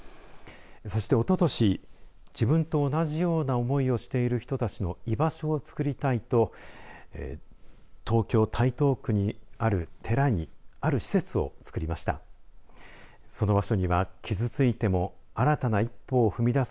そして、おととし自分と同じような思いをしている人たちの居場所を作りたいと東京・台東区にある寺にある施設をつくりました。